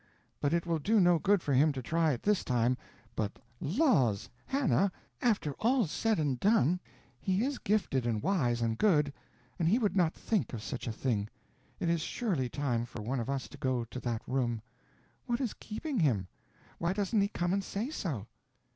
But it will do no good for him to try it this time but, laws! Hannah! after all's said and done, he is gifted and wise and good, and he would not think of such a thing.... It is surely time for one of us to go to that room. What is keeping him? Why doesn't he come and say so?"